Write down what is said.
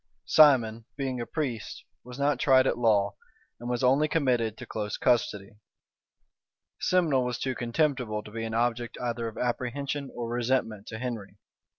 Simon, being a priest, was not tried at law, and was only committed to close custody: Simnel was too contemptible to be an object either of apprehension or resentment to Henry.